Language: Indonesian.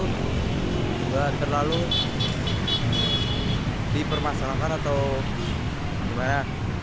tidak terlalu dipermasalahkan atau gimana